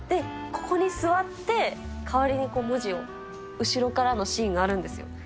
ここに座って、代わりに文字を、後ろからのシーンがあるんですよ。